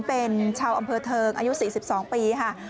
เป็นชาวอำเภอเทิงอายุ๔๒ปีค่ะ